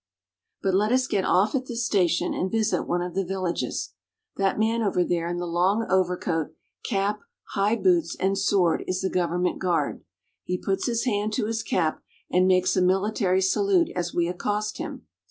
But let us get off at this station and visit one of the villages. That man over there in the long overcoat, cap, high boots, and sword is the government guard. He puts his hand to his cap and makes a military salute as we accost him.